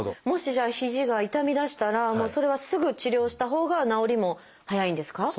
もしじゃあ肘が痛みだしたらもうそれはすぐ治療したほうが治りも早いんですか？